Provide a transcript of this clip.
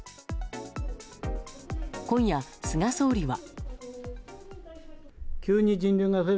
今夜、菅総理は。